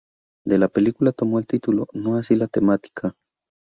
De la película tomó el título, no así la temática.